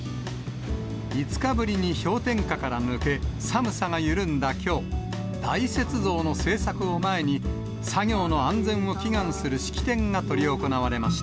５日ぶりに氷点下から抜け、寒さが緩んだきょう、大雪像の制作を前に、作業の安全を祈願する式典が執り行われました。